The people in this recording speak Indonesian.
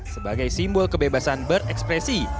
sebagai simbol kebebasan berekspresi